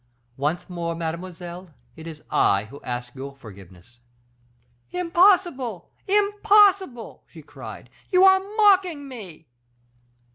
Once more, mademoiselle, it is I who ask your forgiveness." "Impossible, impossible!" she cried, "you are mocking me."